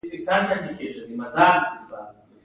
هغوی د کوڅه په خوا کې تیرو یادونو خبرې کړې.